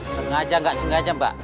sengaja nggak sengaja mbak